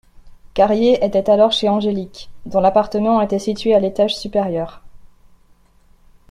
Carrier était alors chez Angélique, dont l'appartement était situé à l'étage supérieur.